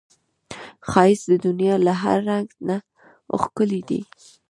ښایست د دنیا له هر رنګ نه ښکلی دی